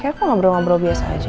kayaknya aku ngobrol ngobrol biasa aja